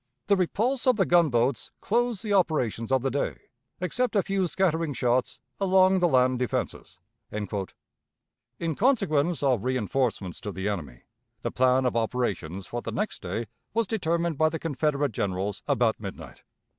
The repulse of the gunboats closed the operations of the day, except a few scattering shots along the land defenses." In consequence of reënforcements to the enemy, the plan of operations for the next day was determined by the Confederate generals about midnight.